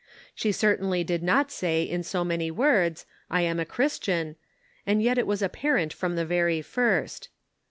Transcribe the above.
She certainly did not say in so many words, " I am a Christian," and yet it was apparent from the very first.